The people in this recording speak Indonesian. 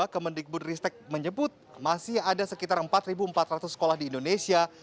kementerian kesehatan menyebut masih ada sekitar empat empat ratus sekolah di indonesia